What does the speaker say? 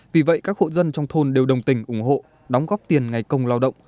vì vậy các hộ dân trong thôn đều đồng tình ủng hộ đóng góp tiền ngày công lao động